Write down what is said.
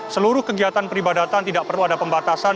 seluruh kegiatan peribadatan tidak perlu ada pembatasan